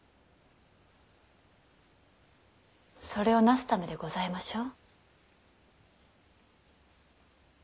それをなすためでございましょう？